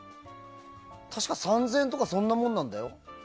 確か３０００円とかそんなもんなんだよ。